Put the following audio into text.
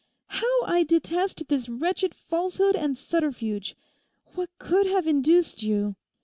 'How I detest this wretched falsehood and subterfuge. What could have induced you....?